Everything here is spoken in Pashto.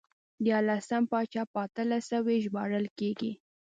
دیارلسم پاچا په اتلس سوی ژباړل کېږي.